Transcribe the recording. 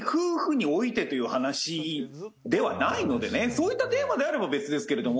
そういったテーマであれば別ですけれども。